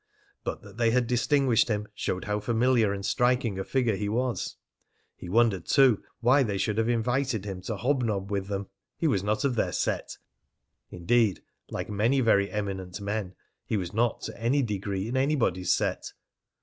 But that they had distinguished him showed how familiar and striking a figure he was. He wondered, too, why they should have invited him to hobnob with them. He was not of their set. Indeed, like many very eminent men, he was not to any degree in anybody's set.